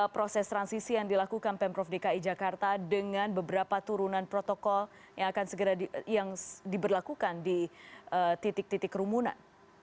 proses transisi yang dilakukan pemprov dki jakarta dengan beberapa turunan protokol yang akan segera yang diberlakukan di titik titik kerumunan